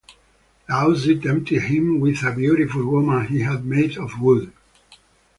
Laozi tempted him with a beautiful woman he had made of wood.